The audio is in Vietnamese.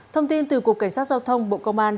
thông tin từ cục cảnh sát giao thông bộ công an